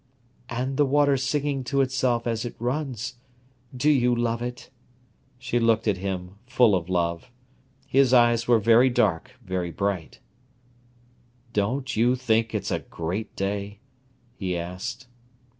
"And the water singing to itself as it runs—do you love it?" She looked at him full of love. His eyes were very dark, very bright. "Don't you think it's a great day?" he asked.